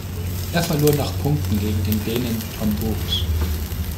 Er verlor nach Punkten gegen den Dänen Tom Bogs.